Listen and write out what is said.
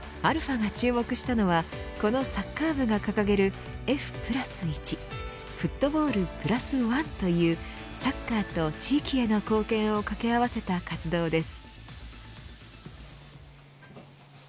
αが注目したのはこのサッカー部が掲げるＦ＋１フットボールプラスワンというサッカーと地域への貢献を掛け合わせた活動です。